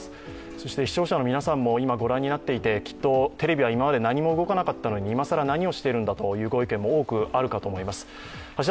そして視聴者の皆さんも今ご覧になっていて、きっと、テレビは今まで何も動かなかったのに今さら何をしているんだと多くあるかと思います。